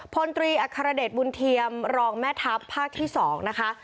พลตรีอัครเดชบุญเทียมรองแม่ทัพภาคที่๒นะคะ